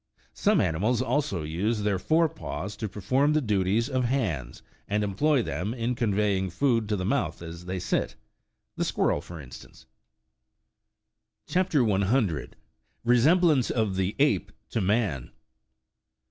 Some animals also use their fore paws to perform the duties of hands, and employ them in conveying food to the mouth as they sit, the squirrel, for in stance. CHAP. 100. (44.) EESEMBLAXCE OF THE APE TO MAX.